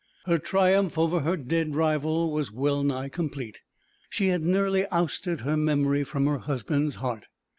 Her triumph over her dead rival was well nigh complete. She had nearly ousted her memory from her husband's heart.